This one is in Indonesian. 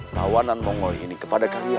lawanan mongol ini kepada kalian